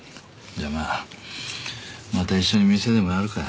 じゃまあまた一緒に店でもやるか？